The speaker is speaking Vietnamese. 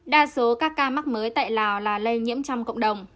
đa số các ca mắc mới tại lào là lây nhiễm trong cộng đồng